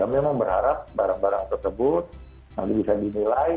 kami memang berharap barang barang tersebut nanti bisa dinilai